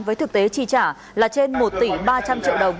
với thực tế chi trả là trên một tỷ ba trăm linh triệu đồng